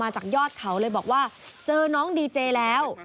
เจอน้องดีเจย์แล้ว